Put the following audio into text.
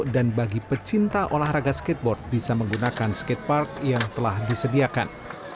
dan bagi pecinta olahraga skateboard bisa menggunakan skatepark yang telah disediakan